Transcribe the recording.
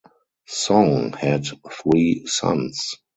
Song had three sons.